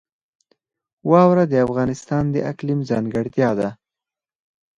واوره د افغانستان د اقلیم ځانګړتیا ده.